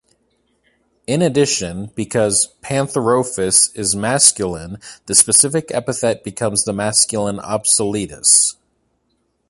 In addition, because "Pantherophis" is masculine, the specific epithet becomes the masculine "obsoletus".